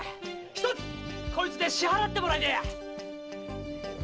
ひとつこいつで支払ってもらいてえや！